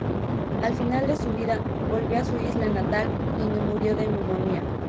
Al final de su vida, volvió a su isla natal, donde murió de neumonía.